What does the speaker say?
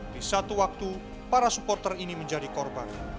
di satu waktu para supporter ini menjadi korban